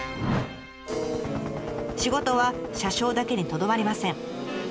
仕事は車掌だけにとどまりません。